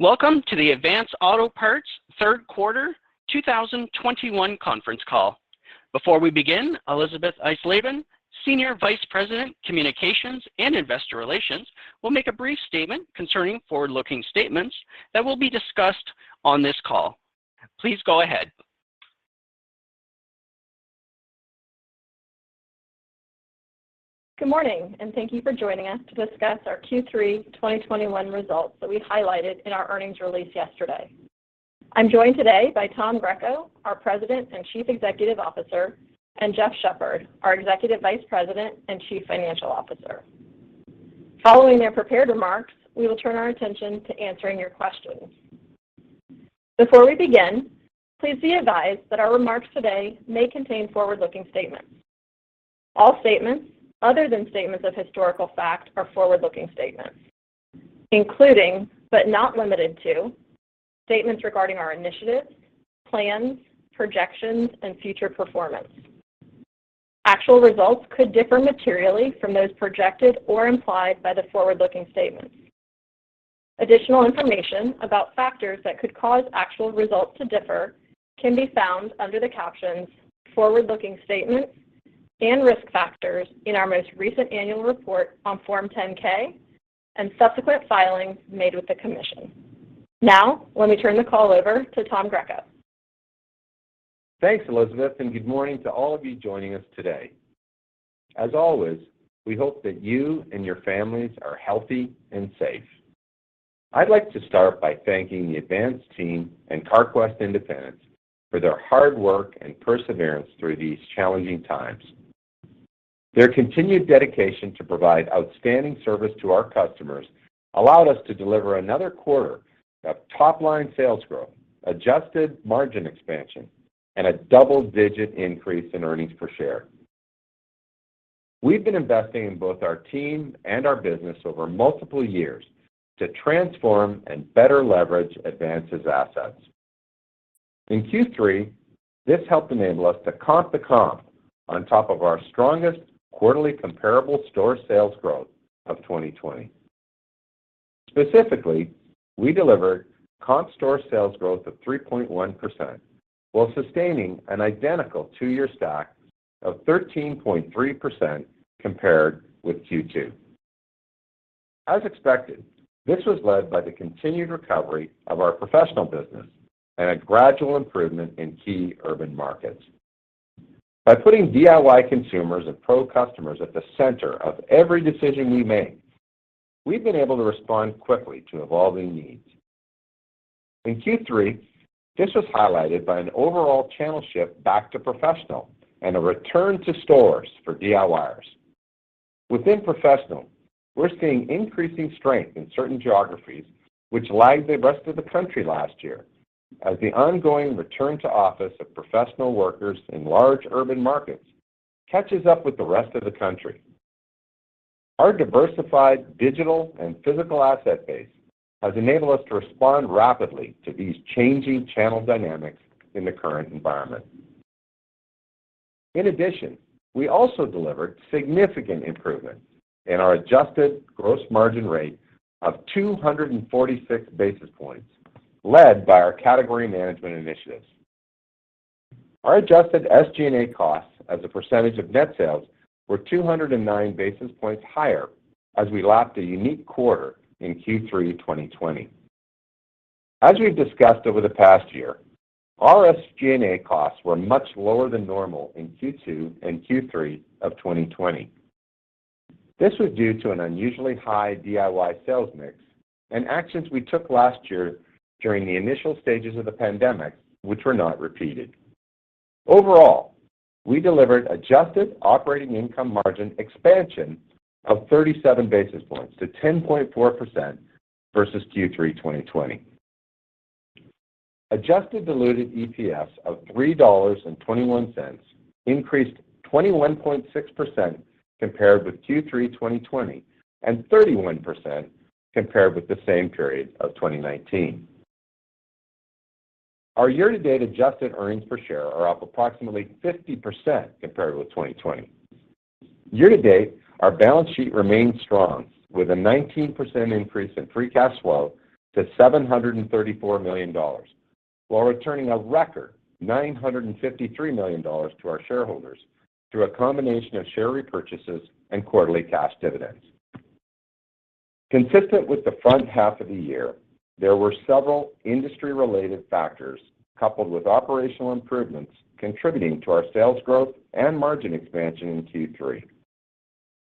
Welcome to the Advance Auto Parts Q3 2021 conference call. Before we begin, Elisabeth Eisleben, Senior Vice President, Communications and Investor Relations, will make a brief statement concerning forward-looking statements that will be discussed on this call. Please go ahead. Good morning, and thank you for joining us to discuss our Q3 2021 results that we highlighted in our earnings release yesterday. I'm joined today by Tom Greco, our President and Chief Executive Officer, and Jeff Shepherd, our Executive Vice President and Chief Financial Officer. Following their prepared remarks, we will turn our attention to answering your questions. Before we begin, please be advised that our remarks today may contain forward-looking statements. All statements other than statements of historical fact are forward-looking statements, including, but not limited to, statements regarding our initiatives, plans, projections, and future performance. Actual results could differ materially from those projected or implied by the forward-looking statements. Additional information about factors that could cause actual results to differ can be found under the captions Forward-Looking Statements and Risk Factors in our most recent annual report on Form 10-K and subsequent filings made with the Commission. Now, let me turn the call over to Tom Greco. Thanks, Elisabeth, and good morning to all of you joining us today. As always, we hope that you and your families are healthy and safe. I'd like to start by thanking the Advance team and Carquest independents for their hard work and perseverance through these challenging times. Their continued dedication to provide outstanding service to our customers allowed us to deliver another quarter of top-line sales growth, adjusted margin expansion, and a double-digit increase in earnings per share. We've been investing in both our team and our business over multiple years to transform and better leverage Advance's assets. In Q3, this helped enable us to comp the comp on top of our strongest quarterly comparable store sales growth of 2020. Specifically, we delivered comp store sales growth of 3.1% while sustaining an identical two-year stack of 13.3% compared with Q2. As expected, this was led by the continued recovery of our professional business and a gradual improvement in key urban markets. By putting DIY consumers and pro customers at the center of every decision we make, we've been able to respond quickly to evolving needs. In Q3, this was highlighted by an overall channel shift back to professional and a return to stores for DIYers. Within professional, we're seeing increasing strength in certain geographies, which lagged the rest of the country last year as the ongoing return to office of professional workers in large urban markets catches up with the rest of the country. Our diversified digital and physical asset base has enabled us to respond rapidly to these changing channel dynamics in the current environment. In addition, we also delivered significant improvements in our adjusted gross margin rate of 246 basis points led by our category management initiatives. Our adjusted SG&A costs as a percentage of net sales were 209 basis points higher as we lapped a unique quarter in Q3 2020. As we've discussed over the past year, our SG&A costs were much lower than normal in Q2 and Q3 of 2020. This was due to an unusually high DIY sales mix and actions we took last year during the initial stages of the pandemic, which were not repeated. Overall, we delivered adjusted operating income margin expansion of 37 basis points to 10.4% versus Q3 2020. Adjusted diluted EPS of $3.21 increased 21.6% compared with Q3 2020 and 31% compared with the same period of 2019. Our year-to-date adjusted earnings per share are up approximately 50% compared with 2020. Year-to-date, our balance sheet remains strong with a 19% increase in free cash flow to $734 million while returning a record $953 million to our shareholders through a combination of share repurchases and quarterly cash dividends. Consistent with the front half of the year, there were several industry-related factors coupled with operational improvements contributing to our sales growth and margin expansion in Q3.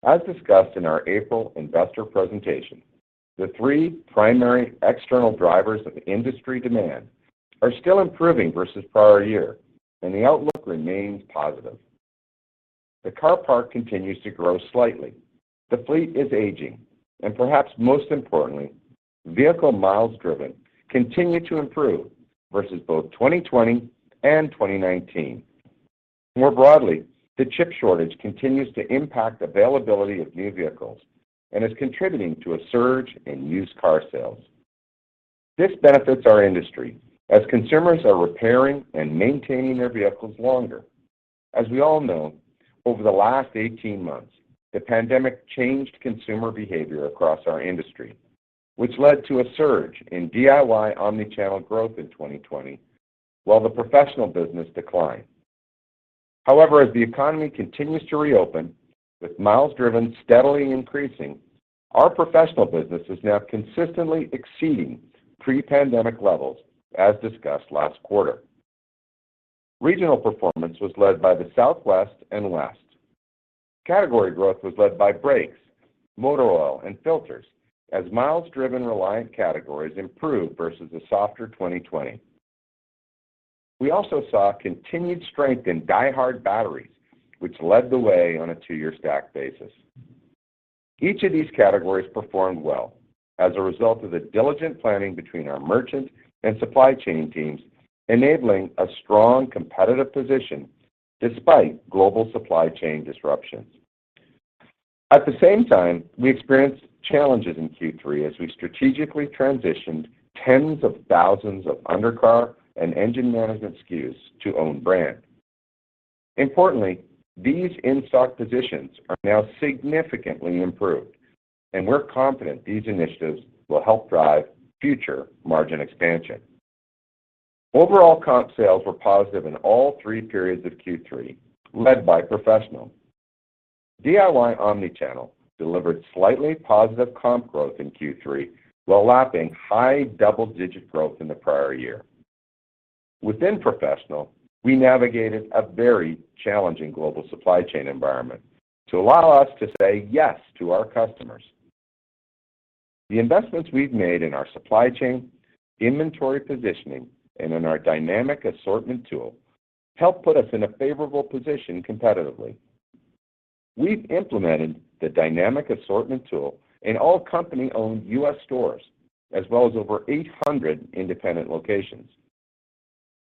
As discussed in our April investor presentation, the three primary external drivers of industry demand are still improving versus prior year, and the outlook remains positive. The car park continues to grow slightly. The fleet is aging, and perhaps most importantly, vehicle miles driven continue to improve versus both 2020 and 2019. More broadly, the chip shortage continues to impact availability of new vehicles and is contributing to a surge in used car sales. This benefits our industry as consumers are repairing and maintaining their vehicles longer. As we all know, over the last 18 months, the pandemic changed consumer behavior across our industry, which led to a surge in DIY omni-channel growth in 2020, while the professional business declined. However, as the economy continues to reopen, with miles driven steadily increasing, our professional business is now consistently exceeding pre-pandemic levels, as discussed last quarter. Regional performance was led by the Southwest and West. Category growth was led by brakes, motor oil, and filters as miles driven reliant categories improved versus a softer 2020. We also saw continued strength in DieHard batteries, which led the way on a 2-year stack basis. Each of these categories performed well as a result of the diligent planning between our merchant and supply chain teams, enabling a strong competitive position despite global supply chain disruptions. At the same time, we experienced challenges in Q3 as we strategically transitioned tens of thousands of undercar and engine management SKUs to own brand. Importantly, these in-stock positions are now significantly improved, and we're confident these initiatives will help drive future margin expansion. Overall comp sales were positive in all three periods of Q3, led by Professional. DIY omni-channel delivered slightly positive comp growth in Q3 while lapping high double-digit growth in the prior year. Within professional, we navigated a very challenging global supply chain environment to allow us to say yes to our customers. The investments we've made in our supply chain, inventory positioning, and in our dynamic assortment tool help put us in a favorable position competitively. We've implemented the dynamic assortment tool in all company-owned U.S. stores, as well as over 800 independent locations.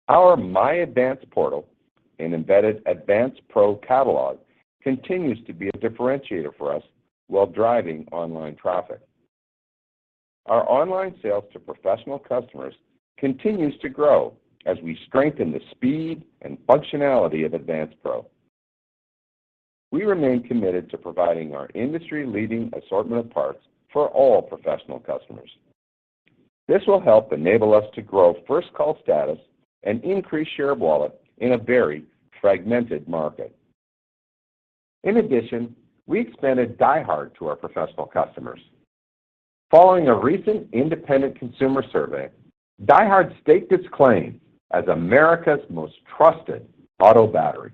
Our myAdvance portal and embedded Advance Pro catalog continues to be a differentiator for us while driving online traffic. Our online sales to professional customers continues to grow as we strengthen the speed and functionality of Advance Pro. We remain committed to providing our industry-leading assortment of parts for all professional customers. This will help enable us to grow first call status and increase share of wallet in a very fragmented market. In addition, we expanded DieHard to our professional customers. Following a recent independent consumer survey, DieHard staked its claim as America's most trusted auto battery.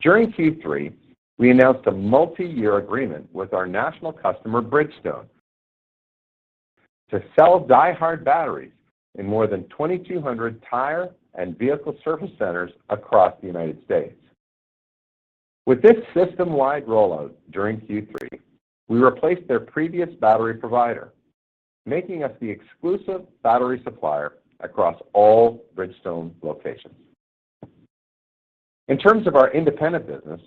During Q3, we announced a multi-year agreement with our national customer, Bridgestone, to sell DieHard batteries in more than 2,200 tire and vehicle service centers across the United States. With this system-wide rollout during Q3, we replaced their previous battery provider, making us the exclusive battery supplier across all Bridgestone locations. In terms of our independent business,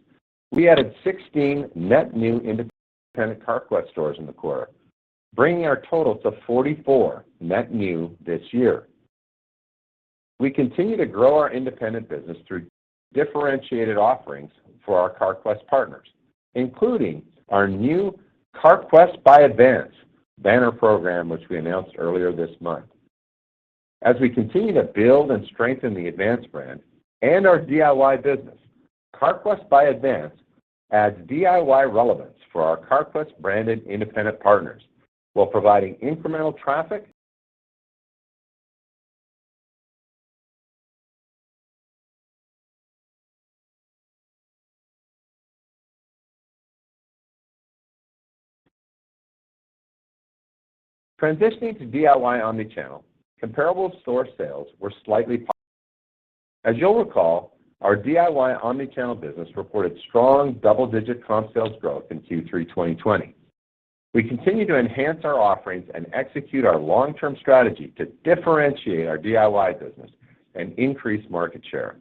we added 16 net new independent Carquest stores in the quarter, bringing our total to 44 net new this year. We continue to grow our independent business through differentiated offerings for our Carquest partners, including our new Carquest by Advance banner program, which we announced earlier this month. As we continue to build and strengthen the Advance brand and our DIY business, Carquest by Advance adds DIY relevance for our Carquest-branded independent partners while providing incremental traffic. Transitioning to DIY omni-channel, comparable store sales were slightly. As you'll recall, our DIY omni-channel business reported strong double-digit comp sales growth in Q3 2020. We continue to enhance our offerings and execute our long-term strategy to differentiate our DIY business and increase market share.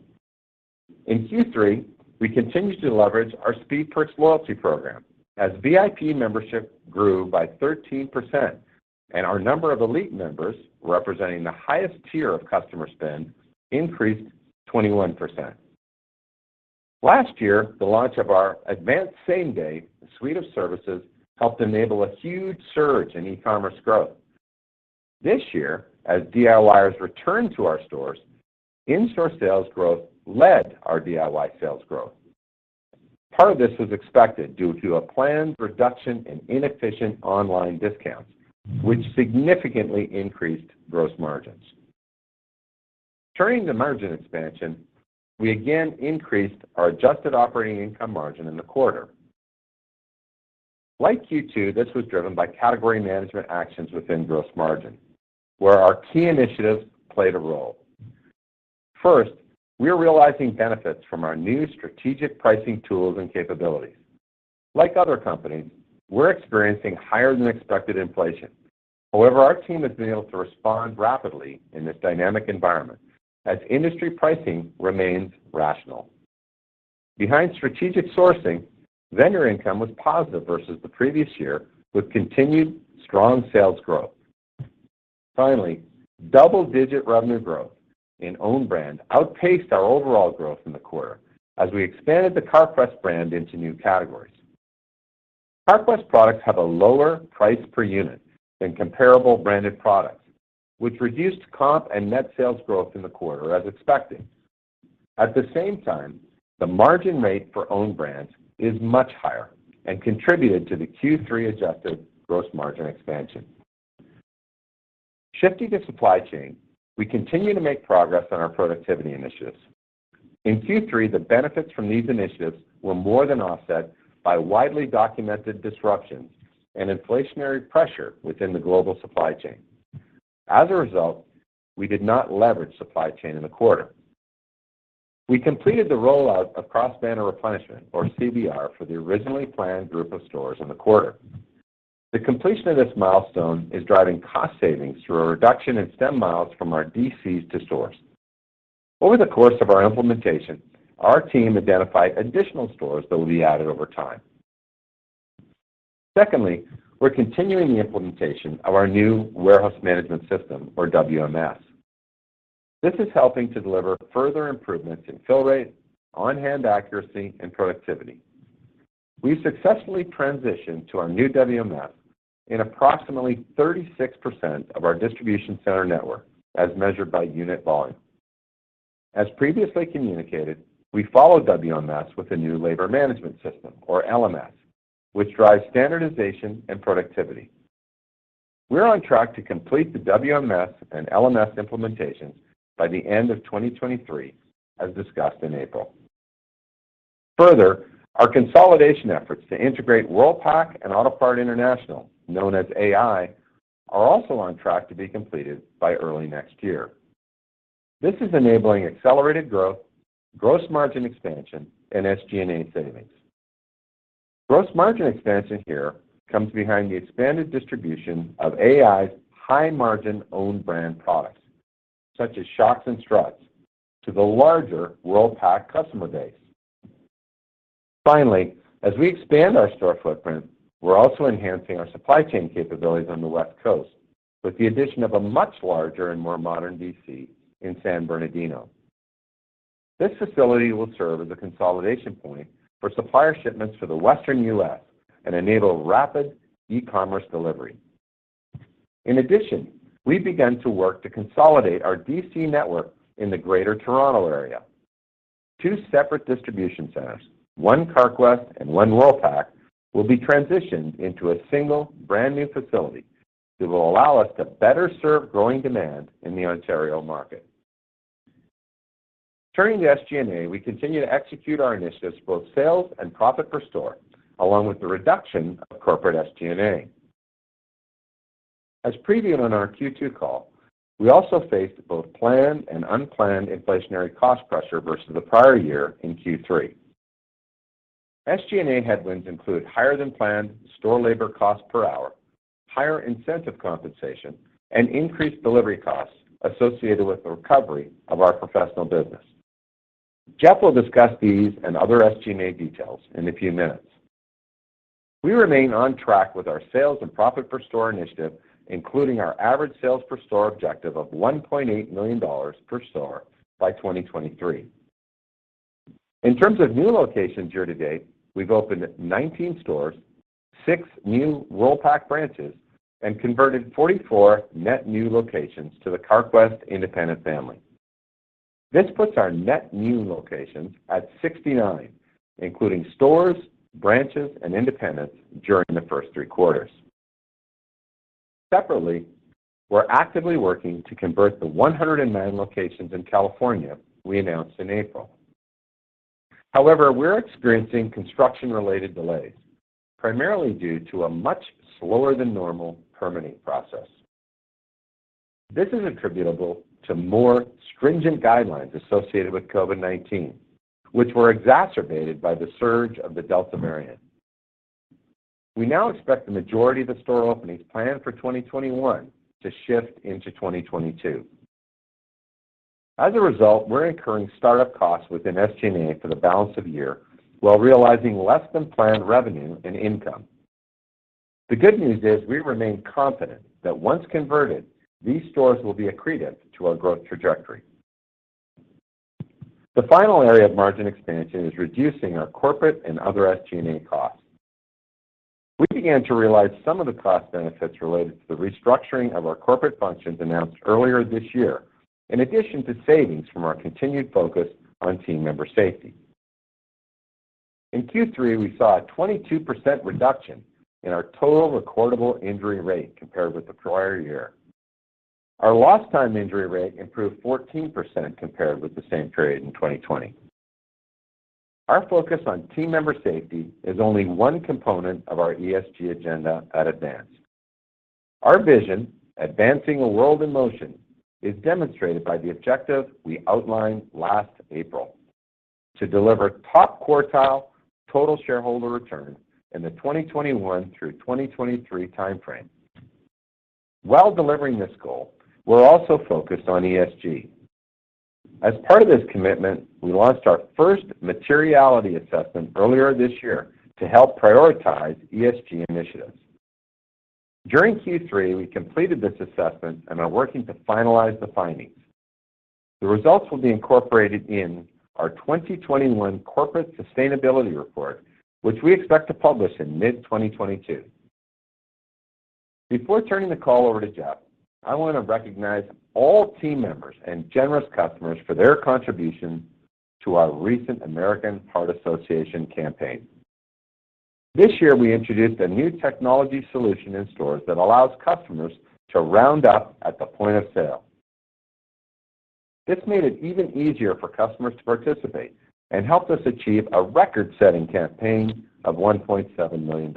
In Q3, we continued to leverage our Speed Perks loyalty program as VIP membership grew by 13% and our number of elite members, representing the highest tier of customer spend, increased 21%. Last year, the launch of our Advance Same Day suite of services helped enable a huge surge in e-commerce growth. This year, as DIYers returned to our stores, in-store sales growth led our DIY sales growth. Part of this was expected due to a planned reduction in inefficient online discounts, which significantly increased gross margins. Turning to margin expansion, we again increased our adjusted operating income margin in the quarter. Like Q2, this was driven by category management actions within gross margin, where our key initiatives played a role. First, we're realizing benefits from our new strategic pricing tools and capabilities. Like other companies, we're experiencing higher than expected inflation. However, our team has been able to respond rapidly in this dynamic environment as industry pricing remains rational. Behind strategic sourcing, vendor income was positive versus the previous year, with continued strong sales growth. Finally, double-digit revenue growth in own brand outpaced our overall growth in the quarter as we expanded the Carquest brand into new categories. Carquest products have a lower price per unit than comparable branded products, which reduced comp and net sales growth in the quarter as expected. At the same time, the margin rate for own brands is much higher and contributed to the Q3 adjusted gross margin expansion. Shifting to supply chain, we continue to make progress on our productivity initiatives. In Q3, the benefits from these initiatives were more than offset by widely documented disruptions and inflationary pressure within the global supply chain. As a result, we did not leverage supply chain in the quarter. We completed the rollout of Cross-Banner Replenishment, or CBR, for the originally planned group of stores in the quarter. The completion of this milestone is driving cost savings through a reduction in truck miles from our DCs to stores. Over the course of our implementation, our team identified additional stores that will be added over time. Secondly, we're continuing the implementation of our new Warehouse Management System, or WMS. This is helping to deliver further improvements in fill rate, on-hand accuracy, and productivity. We successfully transitioned to our new WMS in approximately 36% of our distribution center network as measured by unit volume. As previously communicated, we follow WMS with a new Labor Management System, or LMS, which drives standardization and productivity. We're on track to complete the WMS and LMS implementations by the end of 2023, as discussed in April. Further, our consolidation efforts to integrate Worldpac and Autopart International, known as AI, are also on track to be completed by early next year. This is enabling accelerated growth, gross margin expansion, and SG&A savings. Gross margin expansion here comes behind the expanded distribution of AI's high-margin own-brand products, such as shocks and struts, to the larger Worldpac customer base. Finally, as we expand our store footprint, we're also enhancing our supply chain capabilities on the West Coast with the addition of a much larger and more modern DC in San Bernardino. This facility will serve as a consolidation point for supplier shipments to the Western U.S. and enable rapid e-commerce delivery. In addition, we've begun to work to consolidate our DC network in the Greater Toronto Area. Two separate distribution centers, one Carquest and one Worldpac, will be transitioned into a single brand-new facility that will allow us to better serve growing demand in the Ontario market. Turning to SG&A, we continue to execute our initiatives, both sales and profit per store, along with the reduction of corporate SG&A. As previewed on our Q2 call, we also faced both planned and unplanned inflationary cost pressure versus the prior year in Q3. SG&A headwinds include higher-than-planned store labor cost per hour, higher incentive compensation, and increased delivery costs associated with the recovery of our professional business. Jeff will discuss these and other SG&A details in a few minutes. We remain on track with our sales and profit per store initiative, including our average sales per store objective of $1.8 million per store by 2023. In terms of new locations year to date, we've opened 19 stores, six new Worldpac branches, and converted 44 net new locations to the Carquest independent family. This puts our net new locations at 69, including stores, branches, and independents during the first three quarters. Separately, we're actively working to convert the 109 locations in California we announced in April. However, we're experiencing construction-related delays, primarily due to a much slower than normal permitting process. This is attributable to more stringent guidelines associated with COVID-19, which were exacerbated by the surge of the Delta variant. We now expect the majority of the store openings planned for 2021 to shift into 2022. As a result, we're incurring start-up costs within SG&A for the balance of the year while realizing less than planned revenue and income. The good news is we remain confident that once converted, these stores will be accretive to our growth trajectory. The final area of margin expansion is reducing our corporate and other SG&A costs. We began to realize some of the cost benefits related to the restructuring of our corporate functions announced earlier this year, in addition to savings from our continued focus on team member safety. In Q3, we saw a 22% reduction in our total recordable injury rate compared with the prior year. Our lost time injury rate improved 14% compared with the same period in 2020. Our focus on team member safety is only one component of our ESG agenda at Advance. Our vision, advancing a world in motion, is demonstrated by the objective we outlined last April to deliver top-quartile total shareholder return in the 2021 through 2023 time frame. While delivering this goal, we're also focused on ESG. As part of this commitment, we launched our first materiality assessment earlier this year to help prioritize ESG initiatives. During Q3, we completed this assessment and are working to finalize the findings. The results will be incorporated in our 2021 corporate sustainability report, which we expect to publish in mid-2022. Before turning the call over to Jeff, I want to recognize all team members and generous customers for their contribution to our recent American Heart Association campaign. This year, we introduced a new technology solution in stores that allows customers to round up at the point of sale. This made it even easier for customers to participate and helped us achieve a record-setting campaign of $1.7 million.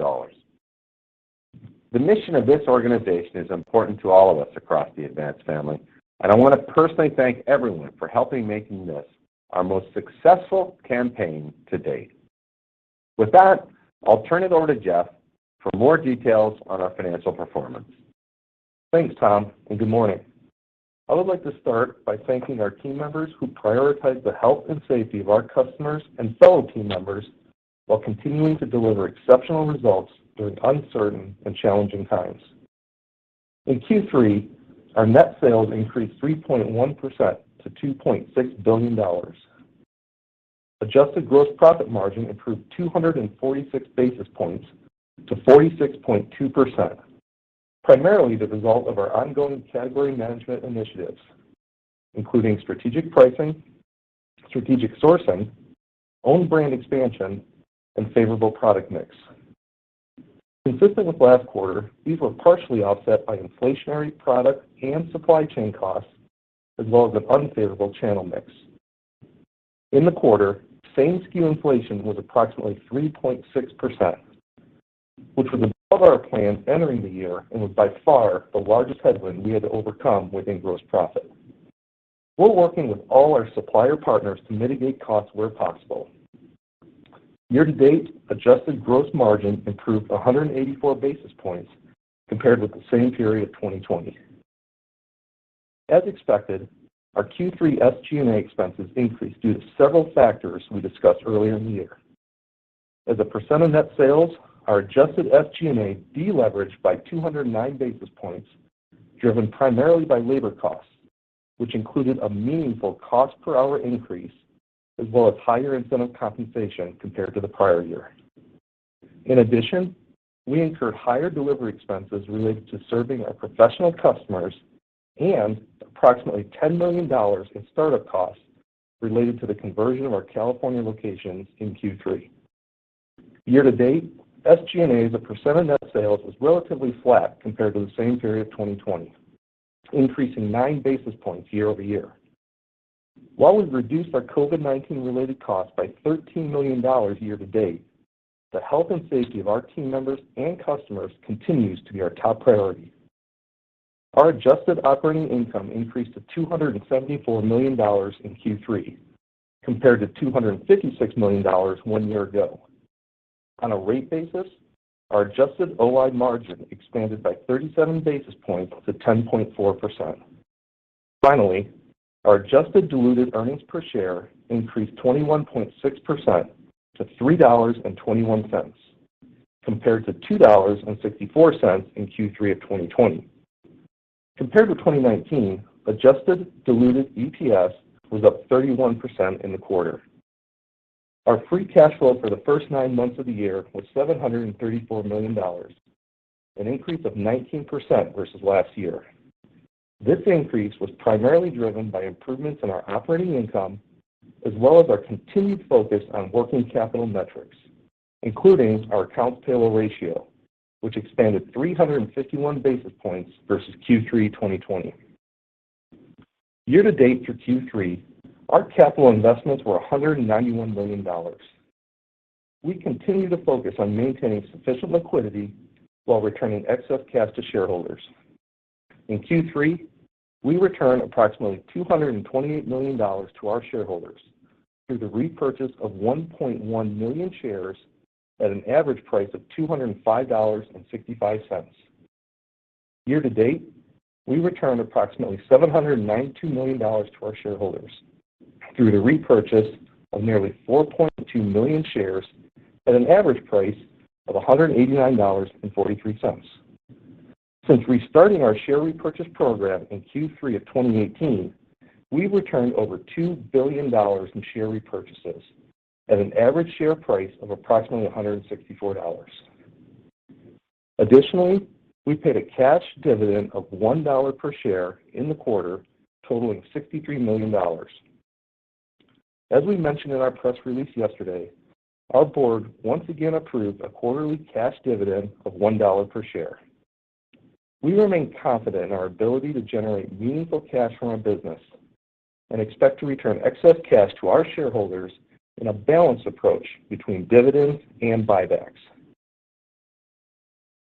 The mission of this organization is important to all of us across the Advance family, and I want to personally thank everyone for helping make this our most successful campaign to date. With that, I'll turn it over to Jeff for more details on our financial performance. Thanks, Tom, and good morning. I would like to start by thanking our team members who prioritize the health and safety of our customers and fellow team members while continuing to deliver exceptional results during uncertain and challenging times. In Q3, our net sales increased 3.1% to $2.6 billion. Adjusted gross profit margin improved 246 basis points to 46.2%, primarily the result of our ongoing category management initiatives, including strategic pricing, strategic sourcing, own brand expansion, and favorable product mix. Consistent with last quarter, these were partially offset by inflationary product and supply chain costs, as well as an unfavorable channel mix. In the quarter, same-sku inflation was approximately 3.6%, which was above our plan entering the year and was by far the largest headwind we had to overcome within gross profit. We're working with all our supplier partners to mitigate costs where possible. Year-to-date adjusted gross margin improved 184 basis points compared with the same period, 2020. As expected, our Q3 SG&A expenses increased due to several factors we discussed earlier in the year. As a percent of net sales, our adjusted SG&A deleveraged by 209 basis points, driven primarily by labor costs, which included a meaningful cost per hour increase as well as higher incentive compensation compared to the prior year. In addition, we incurred higher delivery expenses related to serving our professional customers and approximately $10 million in start-up costs related to the conversion of our California locations in Q3. Year-to-date, SG&A as a percent of net sales was relatively flat compared to the same period, 2020, increasing 9 basis points year over year. While we've reduced our COVID-19 related costs by $13 million year to date, the health and safety of our team members and customers continues to be our top priority. Our adjusted operating income increased to $274 million in Q3 compared to $256 million one year ago. On a rate basis, our adjusted OI margin expanded by 37 basis points to 10.4%. Finally, our adjusted diluted earnings per share increased 21.6% to $3.21 compared to $2.64 in Q3 of 2020. Compared to 2019, adjusted diluted EPS was up 31% in the quarter. Our free cash flow for the first nine months of the year was $734 million, an increase of 19% versus last year. This increase was primarily driven by improvements in our operating income, as well as our continued focus on working capital metrics, including our accounts payable ratio, which expanded 351 basis points versus Q3 2020. Year-to-date through Q3, our capital investments were $191 million. We continue to focus on maintaining sufficient liquidity while returning excess cash to shareholders. In Q3, we returned approximately $228 million to our shareholders through the repurchase of 1.1 million shares at an average price of $205.65. Year to date, we returned approximately $792 million to our shareholders through the repurchase of nearly 4.2 million shares at an average price of $189.43. Since restarting our share repurchase program in Q3 of 2018, we've returned over $2 billion in share repurchases at an average share price of approximately $164. Additionally, we paid a cash dividend of $1 per share in the quarter, totaling $63 million. As we mentioned in our press release yesterday, our board once again approved a quarterly cash dividend of $1 per share. We remain confident in our ability to generate meaningful cash from our business and expect to return excess cash to our shareholders in a balanced approach between dividends and buybacks.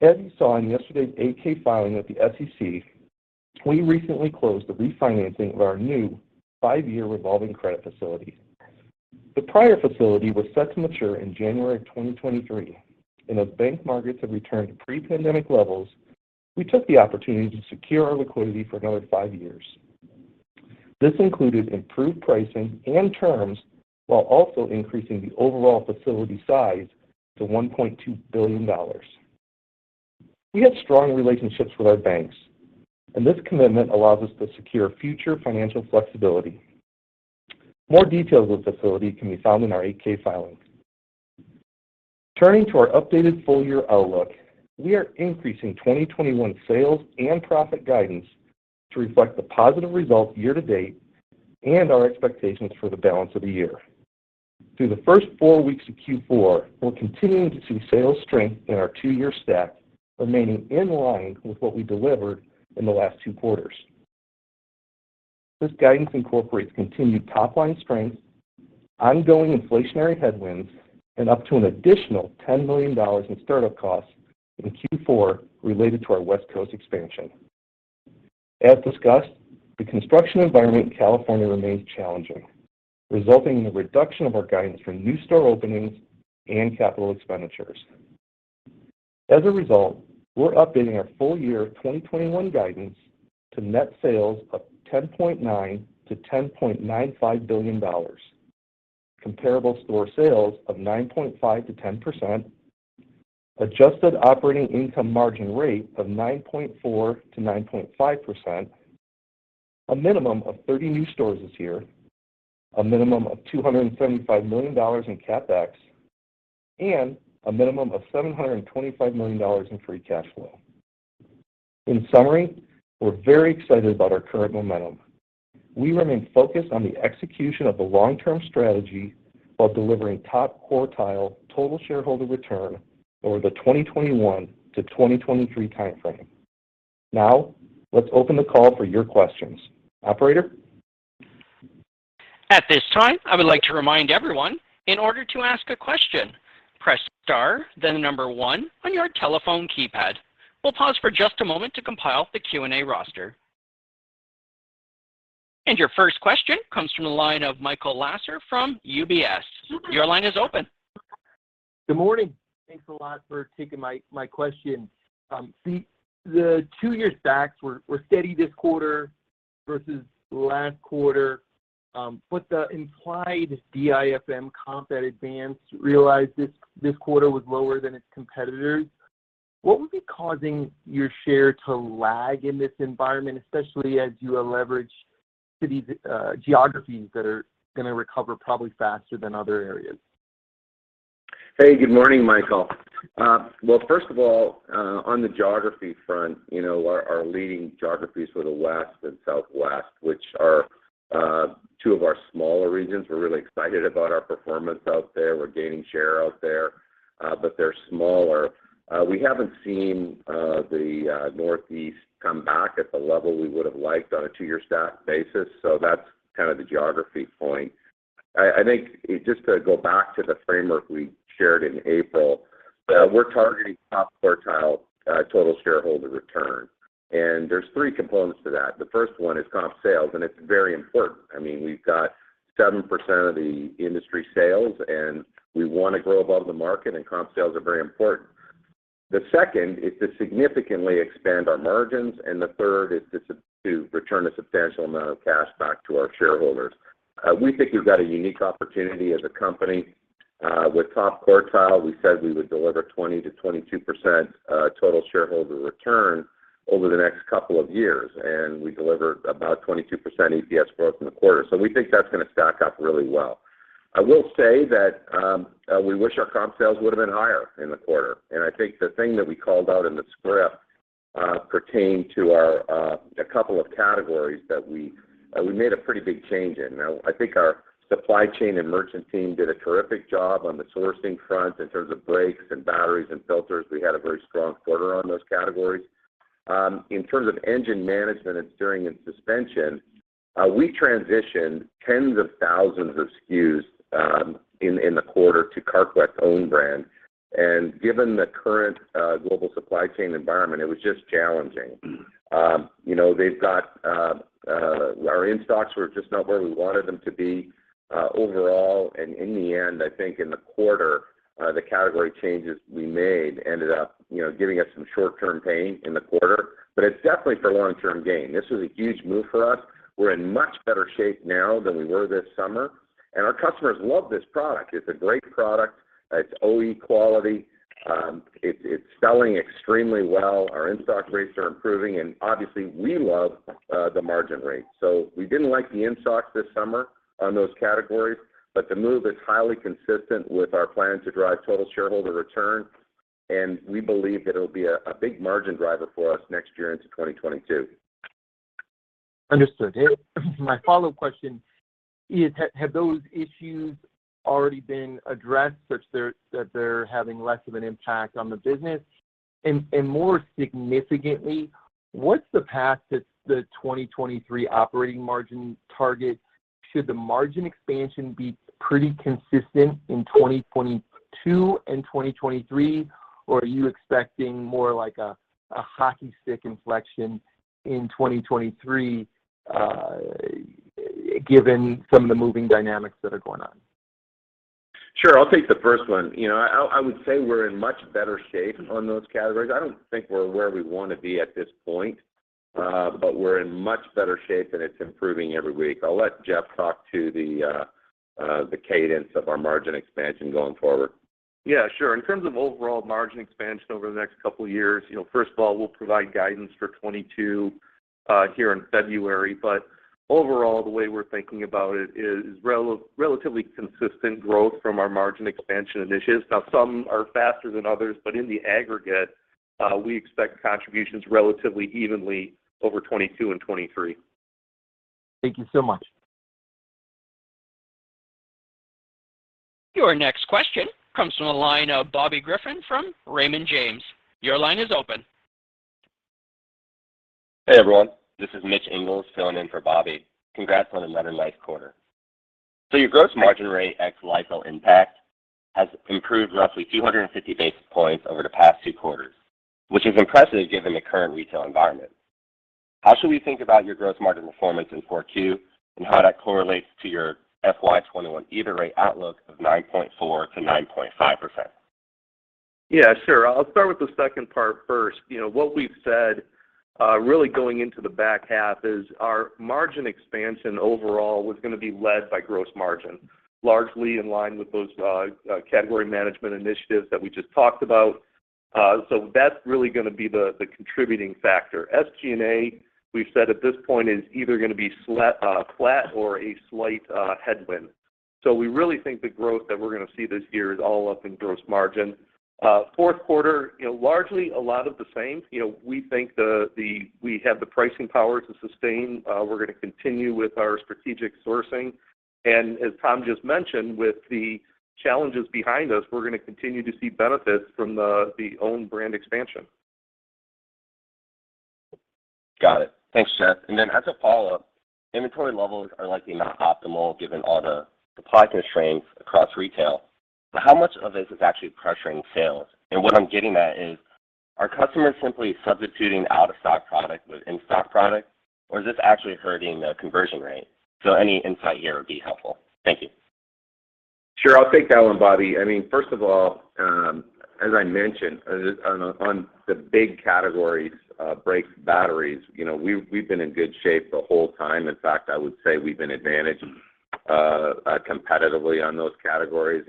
As you saw in yesterday's 8-K filing with the SEC, we recently closed the refinancing of our new 5-year revolving credit facility. The prior facility was set to mature in January of 2023. As bank markets have returned to pre-pandemic levels, we took the opportunity to secure our liquidity for another five years. This included improved pricing and terms while also increasing the overall facility size to $1.2 billion. We have strong relationships with our banks, and this commitment allows us to secure future financial flexibility. More details of the facility can be found in our 8-K filing. Turning to our updated full year outlook, we are increasing 2021 sales and profit guidance to reflect the positive results year to date and our expectations for the balance of the year. Through the first four weeks of Q4, we're continuing to see sales strength in our 2-year stack remaining in line with what we delivered in the last two quarters. This guidance incorporates continued top line strength, ongoing inflationary headwinds, and up to an additional $10 million in start-up costs in Q4 related to our West Coast expansion. As discussed, the construction environment in California remains challenging, resulting in the reduction of our guidance for new store openings and capital expenditures. As a result, we're updating our full year 2021 guidance to net sales of $10.9 billion-$10.95 billion, comparable store sales of 9.5%-10%, adjusted operating income margin rate of 9.4%-9.5%, a minimum of 30 new stores this year, a minimum of $275 million in CapEx, and a minimum of $725 million in free cash flow. In summary, we're very excited about our current momentum. We remain focused on the execution of the long-term strategy while delivering top quartile total shareholder return over the 2021-2023 time frame. Now, let's open the call for your questions. Operator? At this time, I would like to remind everyone, in order to ask a question, press star, then the number one on your telephone keypad. We'll pause for just a moment to compile the Q&A roster. Your first question comes from the line of Michael Lasser from UBS. Your line is open. Good morning. Thanks a lot for taking my question. The two-year stacks were steady this quarter versus last quarter. The implied DIFM comp at Advance realized this quarter was lower than its competitors. What would be causing your share to lag in this environment, especially as you leverage cities, geographies that are gonna recover probably faster than other areas? Hey, good morning, Michael. Well, first of all, on the geography front, you know, our leading geographies were the West and Southwest, which are two of our smaller regions. We're really excited about our performance out there. We're gaining share out there, but they're smaller. We haven't seen the Northeast come back at the level we would have liked on a two-year stack basis, so that's kind of the geography point. I think just to go back to the framework we shared in April, we're targeting top quartile total shareholder return, and there's three components to that. The first one is comp sales, and it's very important. I mean, we've got 7% of the industry sales, and we wanna grow above the market, and comp sales are very important. The second is to significantly expand our margins, and the third is to return a substantial amount of cash back to our shareholders. We think we've got a unique opportunity as a company with top quartile. We said we would deliver 20%-22% total shareholder return over the next couple of years, and we delivered about 22% EPS growth in the quarter. We think that's gonna stack up really well. I will say that we wish our comp sales would have been higher in the quarter. I think the thing that we called out in the script pertained to our a couple of categories that we made a pretty big change in. Now, I think our supply chain and merchant team did a terrific job on the sourcing front in terms of brakes and batteries and filters. We had a very strong quarter on those categories. In terms of engine management and steering and suspension, we transitioned tens of thousands of SKUs in the quarter to Carquest own brand. Given the current global supply chain environment, it was just challenging. You know, our in-stocks were just not where we wanted them to be overall. In the end, I think in the quarter, the category changes we made ended up giving us some short-term pain in the quarter. It's definitely for long-term gain. This was a huge move for us. We're in much better shape now than we were this summer, and our customers love this product. It's a great product. It's OE quality. It's selling extremely well. Our in-stock rates are improving and obviously, we love the margin rate. We didn't like the in-stocks this summer on those categories, but the move is highly consistent with our plan to drive total shareholder return, and we believe that it'll be a big margin driver for us next year into 2022. Understood. My follow-up question is have those issues already been addressed such that they're having less of an impact on the business? More significantly, what's the path to the 2023 operating margin target? Should the margin expansion be pretty consistent in 2022 and 2023, or are you expecting more like a hockey stick inflection in 2023, given some of the moving dynamics that are going on? Sure. I'll take the first one. You know, I would say we're in much better shape on those categories. I don't think we're where we wanna be at this point, but we're in much better shape, and it's improving every week. I'll let Jeff talk to the cadence of our margin expansion going forward. Yeah, sure. In terms of overall margin expansion over the next couple years, you know, first of all, we'll provide guidance for 2022 here in February. Overall, the way we're thinking about it is relatively consistent growth from our margin expansion initiatives. Now, some are faster than others, but in the aggregate, we expect contributions relatively evenly over 2022 and 2023. Thank you so much. Your next question comes from the line of Bobby Griffin from Raymond James. Your line is open. Hey, everyone. This is Mitch Ingels filling in for Bobby. Congrats on another nice quarter. Your gross margin rate ex-LIFO impact has improved roughly 250 basis points over the past two quarters, which is impressive given the current retail environment. How should we think about your gross margin performance in 4Q and how that correlates to your FY 2021 EBITDA rate outlook of 9.4%-9.5%? Yeah, sure. I'll start with the second part first. You know, what we've said, really going into the back half is our margin expansion overall was gonna be led by gross margin, largely in line with those category management initiatives that we just talked about. So that's really gonna be the contributing factor. SG&A, we've said at this point is either gonna be flat or a slight headwind. So we really think the growth that we're gonna see this year is all up in gross margin. Q4, you know, largely a lot of the same. You know, we think we have the pricing power to sustain. We're gonna continue with our strategic sourcing. And as Tom just mentioned, with the challenges behind us, we're gonna continue to see benefits from the own brand expansion. Got it. Thanks, Jeff. As a follow-up, inventory levels are likely not optimal given all the product constraints across retail. How much of this is actually pressuring sales? What I'm getting at is, are customers simply substituting out-of-stock product with in-stock product, or is this actually hurting the conversion rate? Any insight here would be helpful. Thank you. Sure. I'll take that one, Bobby. I mean, first of all, as I mentioned, on the big categories, brakes, batteries, you know, we've been in good shape the whole time. In fact, I would say we've been advantaged competitively on those categories.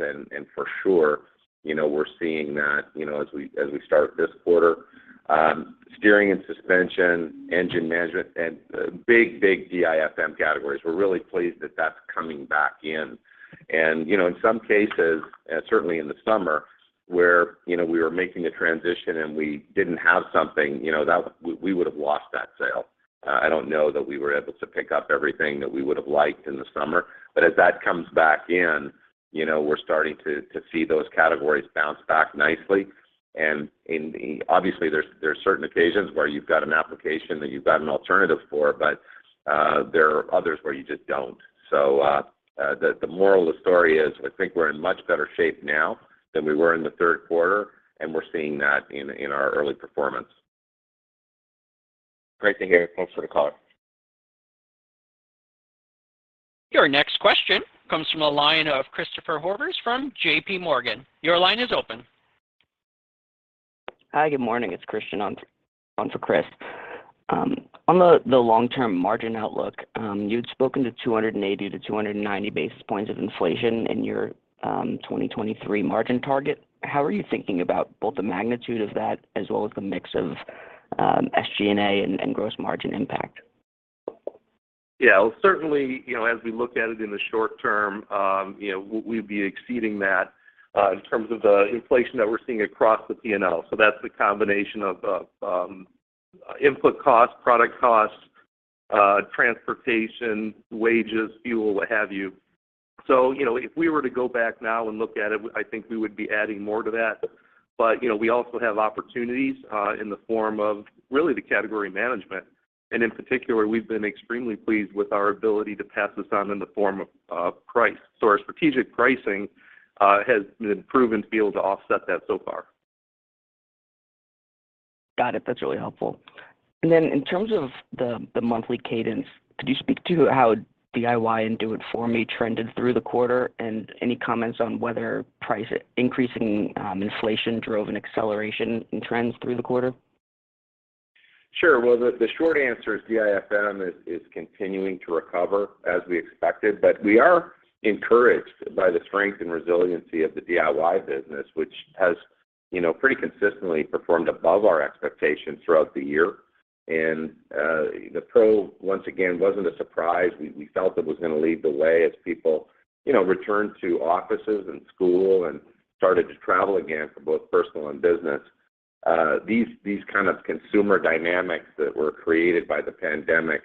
For sure, you know, we're seeing that, you know, as we start this quarter. Steering and suspension, engine management, and big DIFM categories, we're really pleased that that's coming back in. You know, in some cases, certainly in the summer, where we were making a transition and we didn't have something, you know, that we would've lost that sale. I don't know that we were able to pick up everything that we would've liked in the summer. As that comes back in, you know, we're starting to see those categories bounce back nicely. In, obviously, there's certain occasions where you've got an application that you've got an alternative for, but there are others where you just don't. The moral of the story is I think we're in much better shape now than we were in the third quarter, and we're seeing that in our early performance. Great to hear. Thanks for the color. Your next question comes from the line of Chris Horvers from J.P. Morgan. Your line is open. Hi. Good morning. It's Christian on for Chris. On the long-term margin outlook, you'd spoken to 280-290 basis points of inflation in your 2023 margin target. How are you thinking about both the magnitude of that as well as the mix of SG&A and gross margin impact? Yeah. Well, certainly, you know, as we look at it in the short term, you know, we'd be exceeding that in terms of the inflation that we're seeing across the P&L. That's the combination of input costs, product costs, transportation, wages, fuel, what have you. You know, if we were to go back now and look at it, I think we would be adding more to that. You know, we also have opportunities in the form of really the category management. In particular, we've been extremely pleased with our ability to pass this on in the form of price. Our strategic pricing has been proven to be able to offset that so far. Got it. That's really helpful. In terms of the monthly cadence, could you speak to how DIY and Do It For Me trended through the quarter, and any comments on whether price increasing, inflation drove an acceleration in trends through the quarter? Sure. Well, the short answer is DIFM is continuing to recover as we expected. We are encouraged by the strength and resiliency of the DIY business, which has, you know, pretty consistently performed above our expectations throughout the year. The pro, once again, wasn't a surprise. We felt it was gonna lead the way as people, you know, returned to offices and school and started to travel again for both personal and business. These kind of consumer dynamics that were created by the pandemic,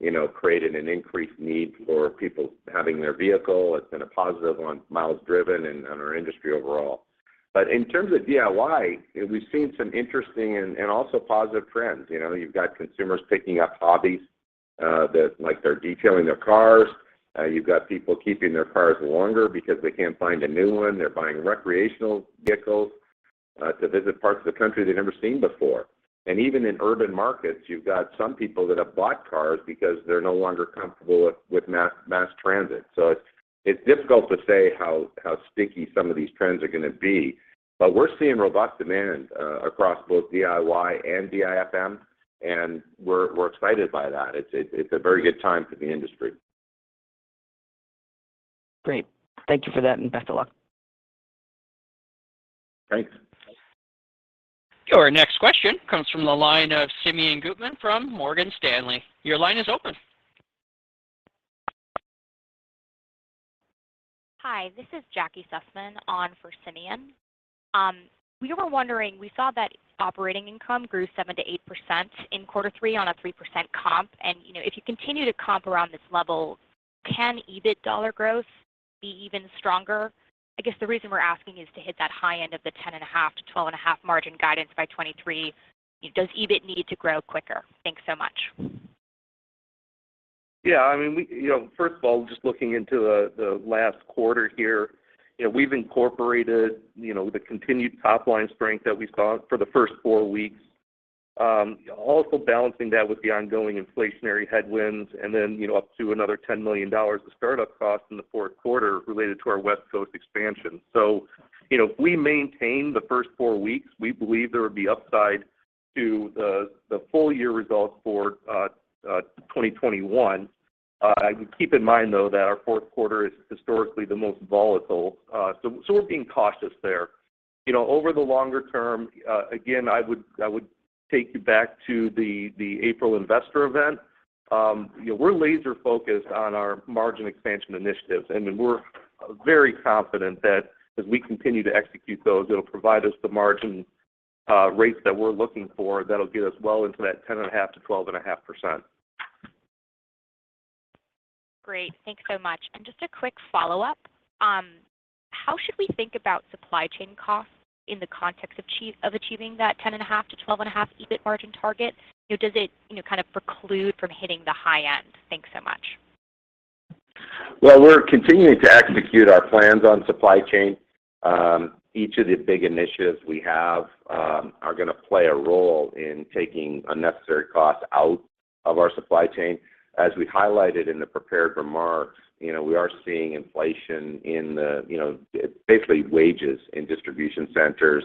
you know, created an increased need for people having their vehicle. It's been a positive on miles driven and on our industry overall. In terms of DIY, we've seen some interesting and also positive trends. You know, you've got consumers picking up hobbies that, like, they're detailing their cars. You've got people keeping their cars longer because they can't find a new one. They're buying recreational vehicles to visit parts of the country they've never seen before. Even in urban markets, you've got some people that have bought cars because they're no longer comfortable with mass transit. It's difficult to say how sticky some of these trends are gonna be. We're seeing robust demand across both DIY and DIFM, and we're excited by that. It's a very good time for the industry. Great. Thank you for that, and best of luck. Great. Your next question comes from the line of Simeon Gutman from Morgan Stanley. Your line is open. Hi, this is Jacquelyn Sussman on for Simeon. We were wondering, we saw that operating income grew 7%-8% in quarter three on a 3% comp. You know, if you continue to comp around this level, can EBIT dollar growth be even stronger? I guess the reason we're asking is to hit that high end of the 10.5%-12.5% margin guidance by 2023, does EBIT need to grow quicker? Thanks so much. Yeah. I mean, you know, first of all, just looking into the last quarter here, you know, we've incorporated the continued top-line strength that we saw for the first four weeks. Also balancing that with the ongoing inflationary headwinds and then, you know, up to another $10 million of startup costs in the fourth quarter related to our West Coast expansion. You know, if we maintain the first four weeks, we believe there would be upside to the full year results for 2021. Keep in mind, though, that our fourth quarter is historically the most volatile, so we're being cautious there. You know, over the longer term, again, I would take you back to the April investor event. You know, we're laser-focused on our margin expansion initiatives, and we're very confident that as we continue to execute those, it'll provide us the margin rates that we're looking for that'll get us well into that 10.5%-12.5%. Great. Thanks so much. Just a quick follow-up. How should we think about supply chain costs in the context of achieving that 10.5%-12.5% EBIT margin target? You know, does it, you know, kind of preclude from hitting the high end? Thanks so much. Well, we're continuing to execute our plans on supply chain. Each of the big initiatives we have are gonna play a role in taking unnecessary costs out of our supply chain. As we highlighted in the prepared remarks, you know, we are seeing inflation in the, you know, basically wages in distribution centers,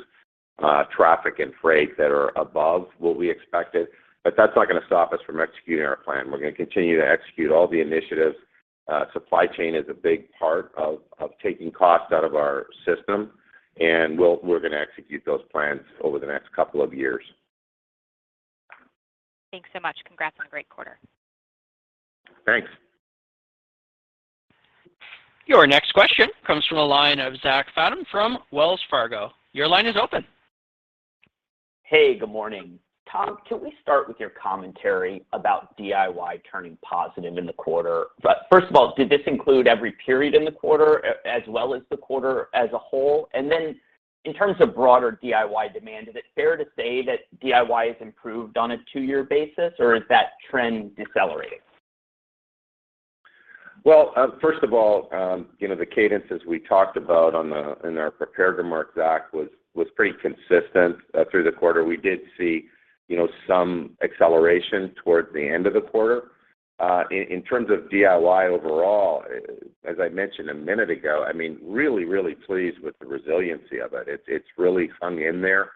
traffic and freight that are above what we expected. That's not gonna stop us from executing our plan. We're gonna continue to execute all the initiatives. Supply chain is a big part of taking costs out of our system, and we're gonna execute those plans over the next couple of years. Thanks so much. Congrats on a great quarter. Thanks. Your next question comes from the line of Zachary Fadem from Wells Fargo. Your line is open. Hey, good morning. Tom, can we start with your commentary about DIY turning positive in the quarter? First of all, did this include every period in the quarter as well as the quarter as a whole? Then in terms of broader DIY demand, is it fair to say that DIY has improved on a two-year basis, or is that trend decelerating? Well, first of all, you know, the cadences we talked about in our prepared remarks, Zach, was pretty consistent through the quarter. We did see, you know, some acceleration towards the end of the quarter. In terms of DIY overall, as I mentioned a minute ago, I mean, really pleased with the resiliency of it. It's really hung in there.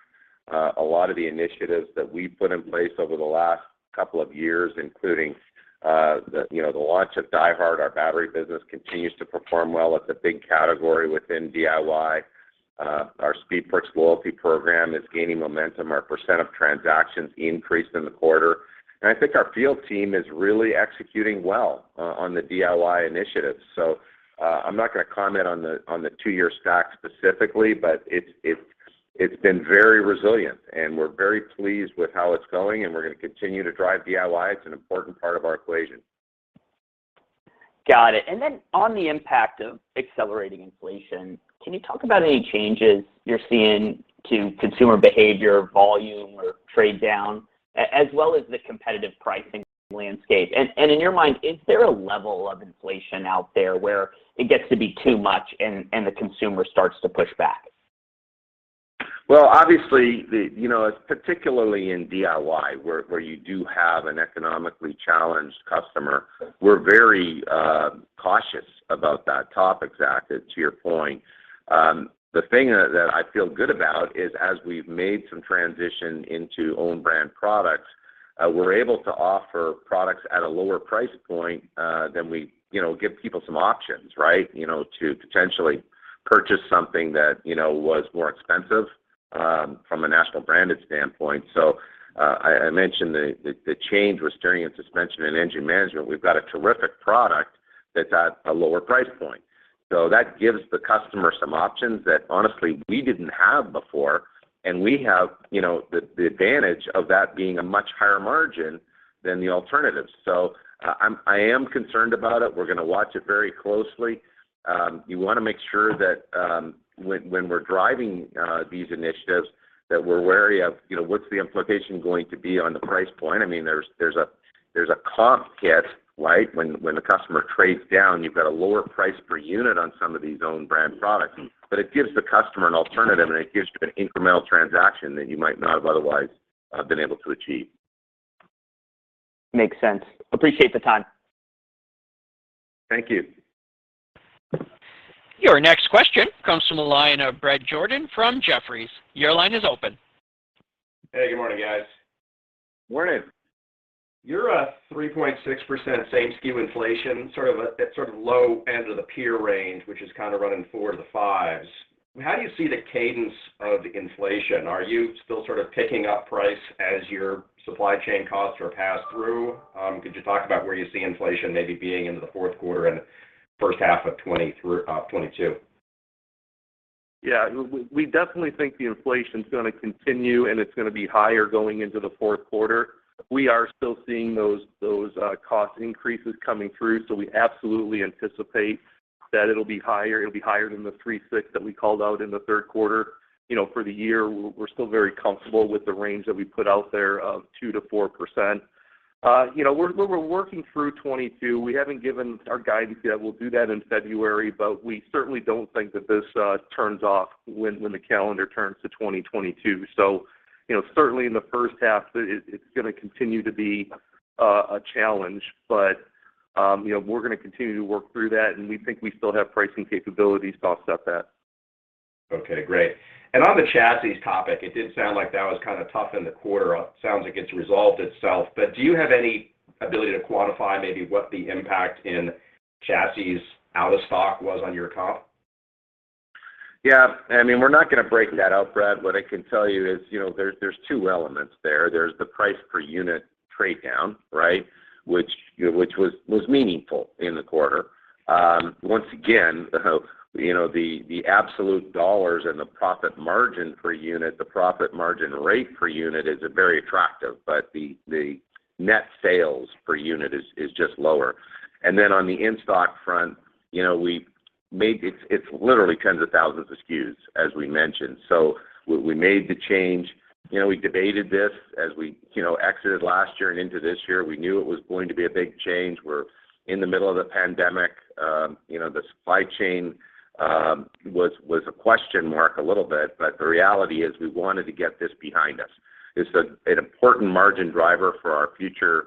A lot of the initiatives that we've put in place over the last couple of years, including, you know, the launch of DieHard, our battery business, continues to perform well. It's a big category within DIY. Our Speed Perks loyalty program is gaining momentum. Our percent of transactions increased in the quarter. I think our field team is really executing well on the DIY initiatives. I'm not gonna comment on the two-year stack specifically, but it's been very resilient, and we're very pleased with how it's going, and we're gonna continue to drive DIY. It's an important part of our equation. Got it. On the impact of accelerating inflation, can you talk about any changes you're seeing to consumer behavior, volume, or trade down, as well as the competitive pricing landscape? In your mind, is there a level of inflation out there where it gets to be too much, and the consumer starts to push back? Well, obviously, the, you know, particularly in DIY where you do have an economically challenged customer, we're very cautious about that topic, Zach, to your point. The thing that I feel good about is as we've made some transition into own brand products, we're able to offer products at a lower price point than we, you know, give people some options, right? You know, to potentially purchase something that, you know, was more expensive from a national branded standpoint. I mentioned the change with steering and suspension and engine management. We've got a terrific product that's at a lower price point. That gives the customer some options that honestly we didn't have before, and we have, you know, the advantage of that being a much higher margin than the alternatives. I am concerned about it. We're gonna watch it very closely. You wanna make sure that when we're driving these initiatives that we're wary of, you know, what's the implication going to be on the price point. I mean, there's a comp hit, right? When the customer trades down, you've got a lower price per unit on some of these own brand products. It gives the customer an alternative, and it gives you an incremental transaction that you might not have otherwise been able to achieve. Makes sense. Appreciate the time. Thank you. Your next question comes from the line of Bret Jordan from Jefferies. Your line is open. Hey, good morning, guys. Morning. Your 3.6% same SKU inflation, sort of, at sort of low end of the peer range, which is kind of running 4%-5%, how do you see the cadence of inflation? Are you still sort of picking up price as your supply chain costs are passed through? Could you talk about where you see inflation maybe being into the Q4 and H1 of 2022? Yeah. We definitely think the inflation's gonna continue, and it's gonna be higher going into the Q4. We are still seeing those cost increases coming through, so we absolutely anticipate that it'll be higher. It'll be higher than the 3.6% that we called out in the third quarter. You know, for the year, we're still very comfortable with the range that we put out there of 2%-4%. You know, we're working through 2022. We haven't given our guidance yet. We'll do that in February. We certainly don't think that this turns off when the calendar turns to 2022. You know, certainly in the first half, it's gonna continue to be a challenge. You know, we're gonna continue to work through that, and we think we still have pricing capabilities to offset that. Okay. Great. On the chassis topic, it did sound like that was kind of tough in the quarter. Sounds like it's resolved itself, but do you have any ability to quantify maybe what the impact in chassis out of stock was on your comp? Yeah. I mean, we're not gonna break that out, Bret. What I can tell you is, you know, there's two elements there. There's the price per unit trade down, right? Which was meaningful in the quarter. Once again, you know, the absolute dollars and the profit margin per unit, the profit margin rate per unit is very attractive. But the net sales per unit is just lower. And then on the in-stock front, you know, it's literally tens of thousands of SKUs as we mentioned. So we made the change. You know, we debated this as we, you know, exited last year and into this year. We knew it was going to be a big change. We're in the middle of the pandemic. You know, the supply chain was a question mark a little bit. The reality is we wanted to get this behind us. It's an important margin driver for our future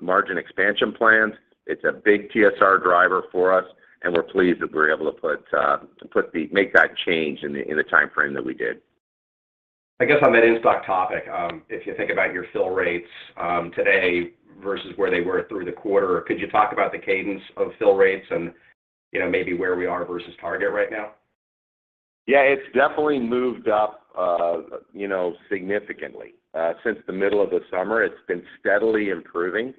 margin expansion plans. It's a big TSR driver for us, and we're pleased that we were able to make that change in the timeframe that we did. I guess on that in-stock topic, if you think about your fill rates, today versus where they were through the quarter, could you talk about the cadence of fill rates and, you know, maybe where we are versus target right now? Yeah. It's definitely moved up, you know, significantly. Since the middle of the summer, it's been steadily improving.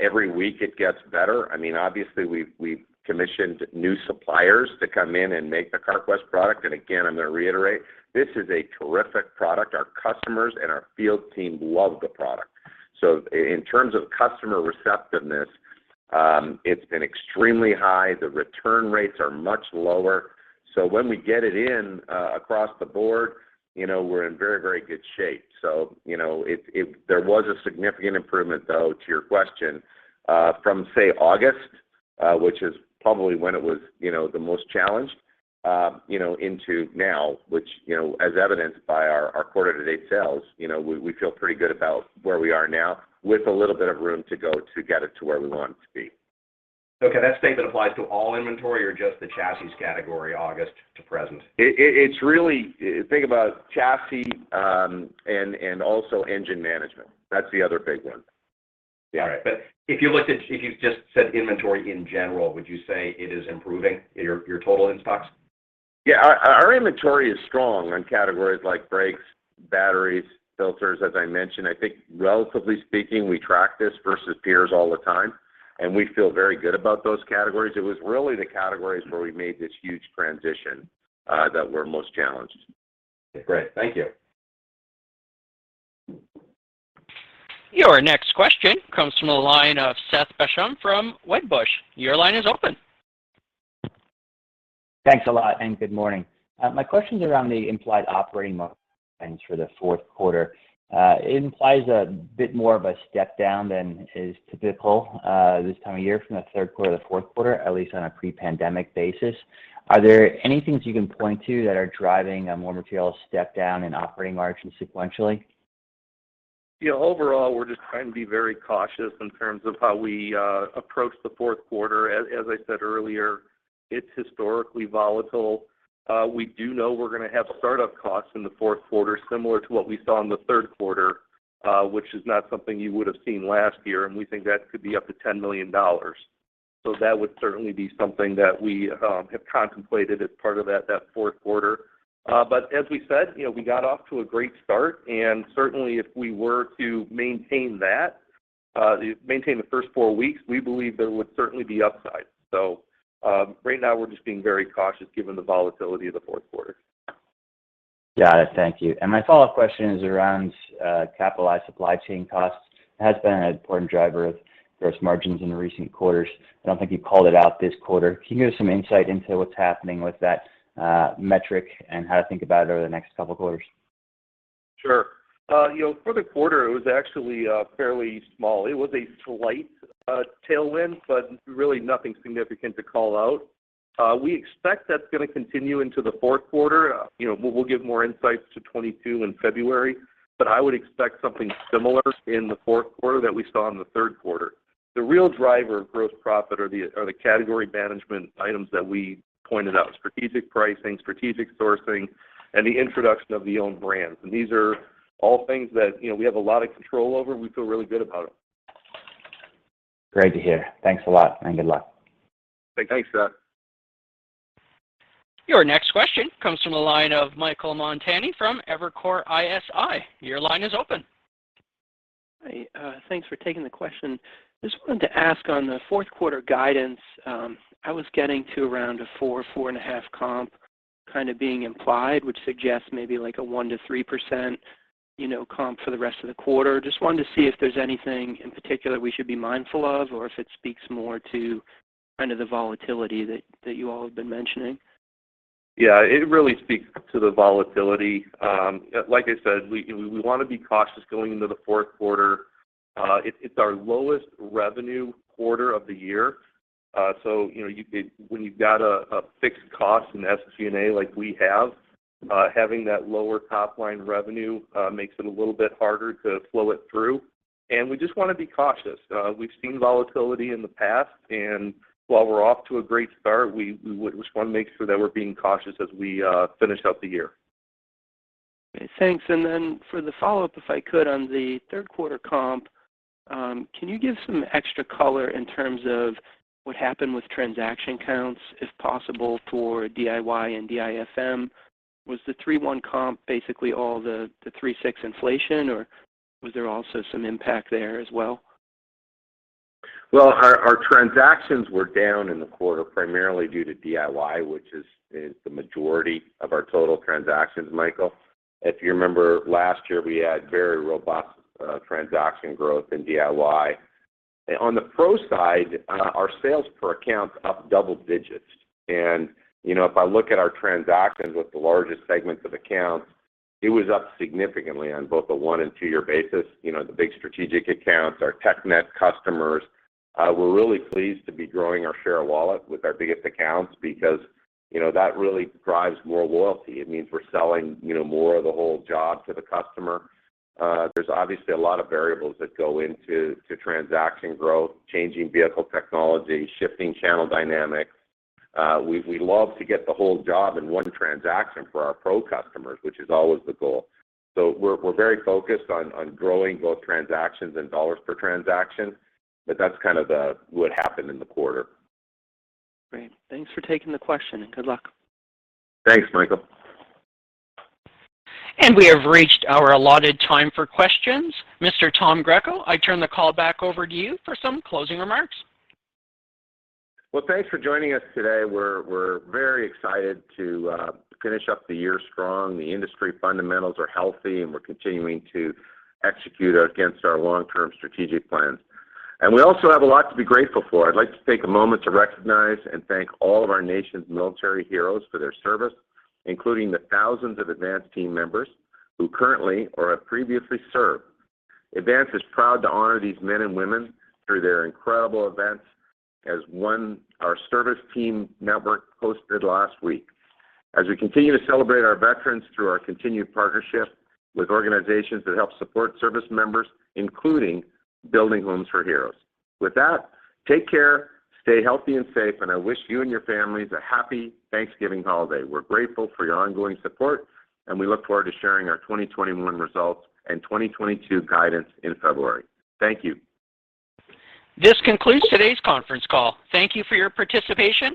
Every week it gets better. I mean, obviously we've commissioned new suppliers to come in and make the Carquest product. Again, I'm gonna reiterate, this is a terrific product. Our customers and our field team love the product. In terms of customer receptiveness, it's been extremely high. The return rates are much lower. When we get it in, across the board, you know, we're in very, very good shape. You know, it There was a significant improvement, though, to your question, from, say, August, which is probably when it was, you know, the most challenged, you know, into now, which, you know, as evidenced by our quarter to date sales, you know, we feel pretty good about where we are now with a little bit of room to go to get it to where we want it to be. Okay. That statement applies to all inventory or just the chassis category August to present? It's really think about chassis, and also engine management. That's the other big one. Yeah. All right. If you just said inventory in general, would you say it is improving, your total in-stocks? Our inventory is strong on categories like brakes, batteries, filters, as I mentioned. I think relatively speaking, we track this versus peers all the time, and we feel very good about those categories. It was really the categories where we made this huge transition that were most challenged. Great. Thank you. Your next question comes from the line of Seth Basham from Wedbush. Your line is open. Thanks a lot, and good morning. My question's around the implied operating margins for the fourth quarter. It implies a bit more of a step down than is typical, this time of year from the Q3 to the Q4, at least on a pre-pandemic basis. Are there any things you can point to that are driving a more material step down in operating margin sequentially? Yeah. Overall, we're just trying to be very cautious in terms of how we approach the Q4. As I said earlier, it's historically volatile. We do know we're gonna have startup costs in the Q4 similar to what we saw in the third quarter, which is not something you would have seen last year, and we think that could be up to $10 million. That would certainly be something that we have contemplated as part of that Q4. As we said, you know, we got off to a great start, and certainly if we were to maintain that, maintain the first 4 weeks, we believe there would certainly be upside. Right now we're just being very cautious given the volatility of the Q4. Got it. Thank you. My follow-up question is around capitalized supply chain costs. It has been an important driver of gross margins in recent quarters. I don't think you called it out this quarter. Can you give us some insight into what's happening with that metric and how to think about it over the next couple quarters? Sure. You know, for the quarter, it was actually fairly small. It was a slight tailwind, but really nothing significant to call out. We expect that's gonna continue into the fourth quarter. You know, we'll give more insights to 2022 in February, but I would expect something similar in the Q4 that we saw in the Q3. The real driver of gross profit are the category management items that we pointed out, strategic pricing, strategic sourcing, and the introduction of the own brands. These are all things that, you know, we have a lot of control over, and we feel really good about them. Great to hear. Thanks a lot, and good luck. Thanks, Seth. Your next question comes from the line of Michael Montani from Evercore ISI. Your line is open. Hi, thanks for taking the question. Just wanted to ask on the fourth quarter guidance, I was getting to around a 4.5 comp kind of being implied, which suggests maybe like a 1%-3%, you know, comp for the rest of the quarter. Just wanted to see if there's anything in particular we should be mindful of, or if it speaks more to kind of the volatility that you all have been mentioning. Yeah. It really speaks to the volatility. Like I said, we wanna be cautious going into the fourth quarter. It's our lowest revenue quarter of the year. So, you know, when you've got a fixed cost in SG&A like we have, having that lower top-line revenue makes it a little bit harder to flow it through, and we just wanna be cautious. We've seen volatility in the past, and while we're off to a great start, we would just wanna make sure that we're being cautious as we finish out the year. Okay, thanks. Then for the follow-up, if I could, on the third quarter comp, can you give some extra color in terms of what happened with transaction counts, if possible, for DIY and DIFM? Was the 3.1% comp basically all the 3.6% inflation, or was there also some impact there as well? Well, our transactions were down in the quarter, primarily due to DIY, which is the majority of our total transactions, Michael. If you remember last year, we had very robust transaction growth in DIY. On the pro side, our sales per account's up double digits. You know, if I look at our transactions with the largest segments of accounts, it was up significantly on both a one and two-year basis. You know, the big strategic accounts, our TechNet customers. We're really pleased to be growing our share of wallet with our biggest accounts because, you know, that really drives more loyalty. It means we're selling, you know, more of the whole job to the customer. There's obviously a lot of variables that go into transaction growth, changing vehicle technology, shifting channel dynamics. We love to get the whole job in one transaction for our pro customers, which is always the goal. We're very focused on growing both transactions and dollars per transaction, but that's kind of what happened in the quarter. Great. Thanks for taking the question, and good luck. Thanks, Michael. We have reached our allotted time for questions. Mr. Tom Greco, I turn the call back over to you for some closing remarks. Well, thanks for joining us today. We're very excited to finish up the year strong. The industry fundamentals are healthy, and we're continuing to execute against our long-term strategic plans. We also have a lot to be grateful for. I'd like to take a moment to recognize and thank all of our nation's military heroes for their service, including the thousands of Advance team members who currently or have previously served. Advance is proud to honor these men and women through their incredible events as one of our service team network hosted last week. We're continuing to celebrate our veterans through our continued partnership with organizations that help support service members, including Building Homes for Heroes. With that, take care, stay healthy and safe, and I wish you and your families a happy Thanksgiving holiday. We're grateful for your ongoing support, and we look forward to sharing our 2021 results and 2022 guidance in February. Thank you. This concludes today's conference call. Thank you for your participation.